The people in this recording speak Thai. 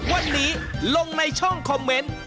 วันนี้ลงในช่องคอมเมนต์